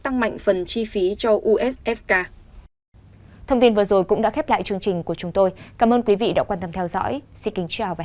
tăng mạnh phần chi phí cho usfk